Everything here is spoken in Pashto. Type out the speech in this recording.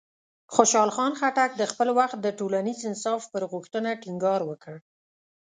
خوشحال خان خټک د خپل وخت د ټولنیز انصاف پر غوښتنه ټینګار وکړ.